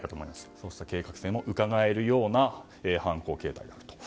そうした計画性もうかがえるような犯行だったと。